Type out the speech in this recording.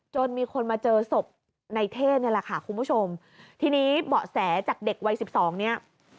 มีคนมาเจอศพในเท่นี่แหละค่ะคุณผู้ชมทีนี้เบาะแสจากเด็กวัยสิบสองเนี้ย